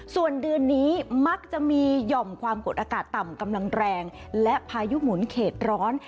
ส่วนเดือนนี้มักจะมีหย่อมความกดอากาศต่ำกำลังแรงและพายุหมุนเขตร้อน